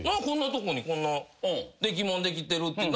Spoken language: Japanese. こんなとこにこんなできもんできてる。